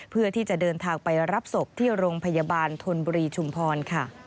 เพื่อที่จะเดินทางไปรับศพที่โรงพยาบาลธนบุรีชุมพรค่ะ